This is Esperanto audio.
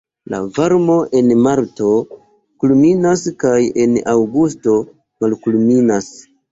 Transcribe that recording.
La varmo en marto kulminas kaj en aŭgusto malkulminas.